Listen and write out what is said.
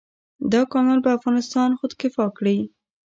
دا کانال به افغانستان خودکفا کړي.